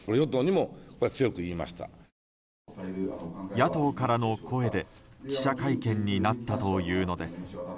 野党からの声で記者会見になったというのです。